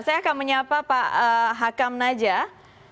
saya akan menyapa pak hakam najah